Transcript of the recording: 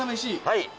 はい。